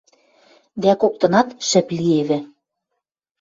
Дӓ коктынат шӹп лиэвӹ.